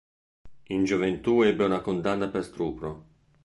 In gioventù ebbe una condanna per stupro.